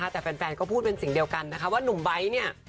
แต่แฟนก็พูดเป็นสิ่งเดียวกันนะคะว่าหนุ่มไบท์เนี่ย